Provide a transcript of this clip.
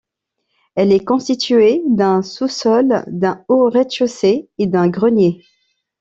Elle est constituée d'un sous-sol, d'un haut rez-de-chaussée et d'un grenier.